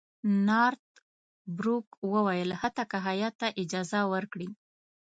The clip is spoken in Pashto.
نارت بروک وویل حتی که هیات ته اجازه ورکړي.